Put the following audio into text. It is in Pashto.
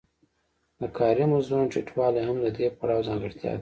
د کاري مزدونو ټیټوالی هم د دې پړاو ځانګړتیا ده